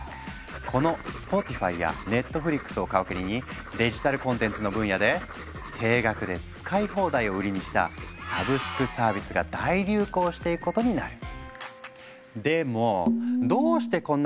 この「スポティファイ」や「ネットフリックス」を皮切りにデジタルコンテンツの分野で定額で使い放題を売りにしたサブスクサービスが大流行していくことになる。